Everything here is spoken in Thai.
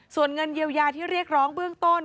ส่วนเงินเยียวยาที่เรียกร้องเบื้องต้น